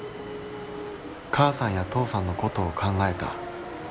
「母さんや父さんのことを考えた。